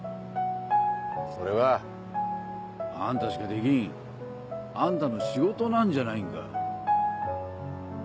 それはあんたしかできんあんたの仕事なんじゃないんか。